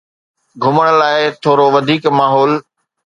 گھمڻ لاء ٿورو وڌيڪ ماحول